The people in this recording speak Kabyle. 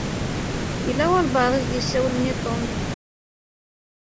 Yella walebɛaḍ i s-isawlen i Tom.